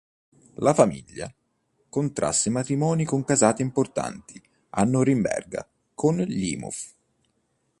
La famiglia contrasse matrimoni con casate importanti a Norimberga come gli Imhoff.